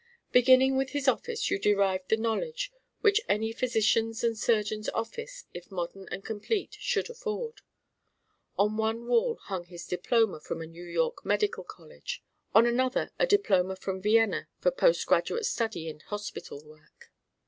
Beginning with his office, you derived the knowledge which any physician's and surgeon's office, if modern and complete, should afford. On one wall hung his diploma from a New York Medical College; on another a diploma from Vienna for post graduate study and hospital work.